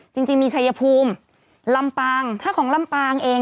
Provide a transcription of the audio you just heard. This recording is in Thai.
จริงมีชัยภูมิลำปางถ้าของลำปางเอง